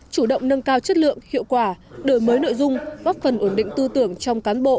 chủ động nâng cao chất lượng hiệu quả đổi mới nội dung góp phần ổn định tư tưởng trong cán bộ